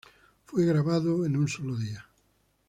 Fue grabado en un solo día.